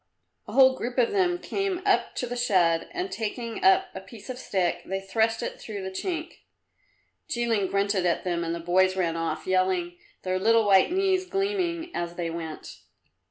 A whole group of them came up to the shed, and taking up a piece of stick, they thrust it through the chink. Jilin grunted at them and the boys ran off, yelling, their little white knees gleaming as they went.